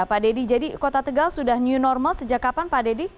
pak deddy jadi kota tegal sudah new normal sejak kapan pak deddy